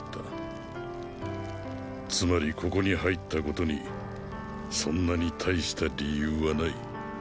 つまりここに入ったことにそんなに大した理由はない。